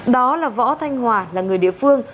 đó là võ thanh hòa là người địa phương